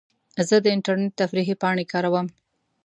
زه د انټرنیټ تفریحي پاڼې کاروم.